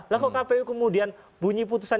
lakukan kpu kemudian bunyi putusan